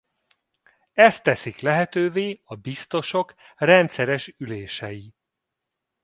Ezt teszik lehetővé a biztosok rendszeres ülései.